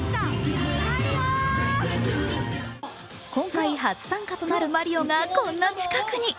今回初参加となるマリオがこんな近くに。